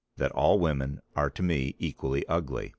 . that all women are to me equally ugly."